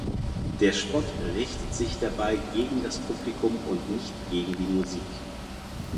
Der Spott richtet sich dabei gegen das Publikum und nicht gegen die Musik.